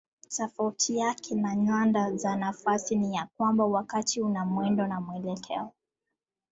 Tofauti yake na nyanda za nafasi ni ya kwamba wakati una mwendo na mwelekeo.